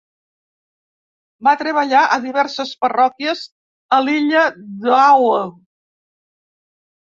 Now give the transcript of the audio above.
Va treballar a diverses parròquies a l'illa d'Oahu.